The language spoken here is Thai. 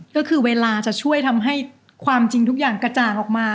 ก็คือเวลาจะช่วยทำให้ความจริงทุกอย่างกระจ่างออกมา